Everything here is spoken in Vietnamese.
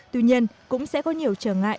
tuy nhiên cũng sẽ có nhiều trở ngại